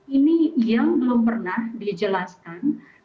ini yang belum pernah dijelaskan